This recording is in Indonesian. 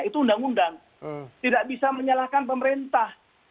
itu undang undang tidak bisa menyalahkan pemerintah